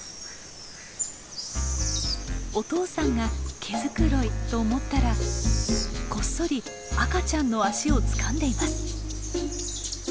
お父さんが毛繕いと思ったらこっそり赤ちゃんの脚をつかんでいます。